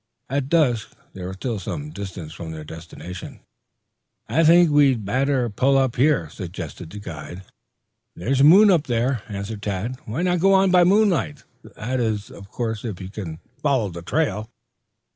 At dusk they were still some distance from their destination. "I think we bad better pull up here," suggested the guide. "There's a moon up there," answered Tad. "Why not go on by moonlight? That is, of course, if you can follow the trail."